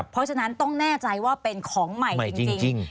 เพราะฉะนั้นต้องแน่ใจว่าเป็นของใหม่จริง